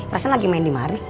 perasaan lagi main di mari